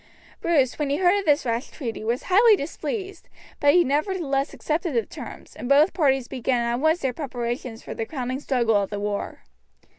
Bruce, when he heard of this rash treaty, was highly displeased, but he nevertheless accepted the terms, and both parties began at once their preparations for the crowning struggle of the war.